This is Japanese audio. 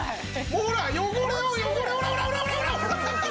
ほら汚れを汚れほらほらほらほら！